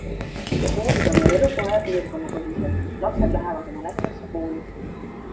Koolid on meil elukoha- ja piirkonnapõhised - lapsed lähevad oma lähimasse kooli.